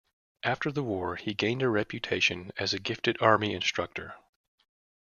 After the war he gained a reputation as a gifted army instructor.